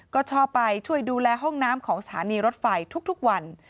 ก็ชอบไปช่วยดูแลห้องน้ำของสถานีรถไฟทุกวัน